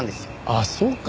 あっそうか。